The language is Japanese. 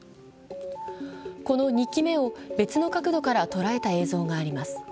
この２機目を別の角度から捉えた映像があります。